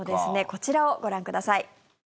こちらをご覧ください。